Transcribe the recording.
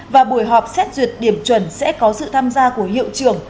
và buổi họp xét duyệt điểm chuẩn sẽ có sự tham gia của hiệu trưởng